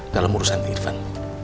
dalam urusan irvan